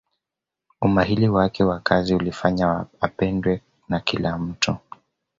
umahili wake wa kazi ulifanya apendwe na kila mtu